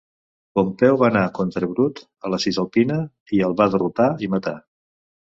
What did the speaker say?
Pompeu va anar contra Brut a la Cisalpina i el va derrotar i matar.